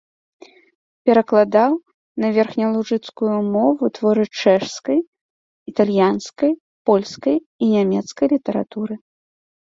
Перакладаў на верхнялужыцкую мову творы чэшскай, італьянскай, польскай і нямецкай літаратуры.